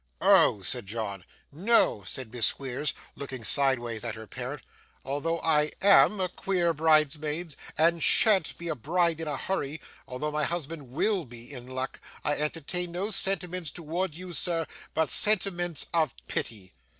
'Oh!' said John. 'No,' said Miss Squeers, looking sideways at her parent, 'although I AM a queer bridesmaid, and SHAN'T be a bride in a hurry, and although my husband WILL be in luck, I entertain no sentiments towards you, sir, but sentiments of pity.